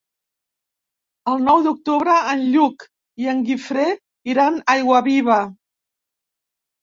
El nou d'octubre en Lluc i en Guifré iran a Aiguaviva.